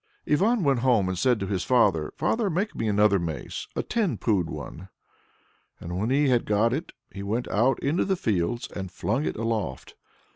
Ivan went home and said to his father, "Father, make me another mace, a ten pood one." And when he had got it he went out into the fields, and flung it aloft.